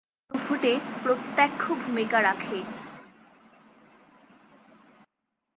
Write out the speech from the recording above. যা গণভোটে প্রত্যক্ষ ভুমিকা রাখে।